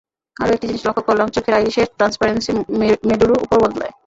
আরো একটি জিনিস লক্ষ করলাম-চোখের আইরিশের ট্রান্সপারেন্সি মুডেরু ওপর বদলায়।